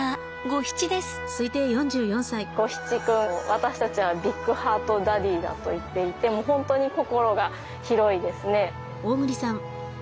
ゴヒチ君私たちは「ビッグハートダディ」だと言っていて本当に心が広いですね。